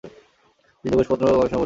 তিনি যোগেশ্চন্দ্র গবেষণা পুরস্কার পান।